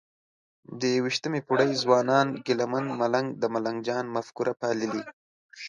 د یویشتمې پېړۍ ځوان ګیله من ملنګ د ملنګ جان مفکوره پاللې؟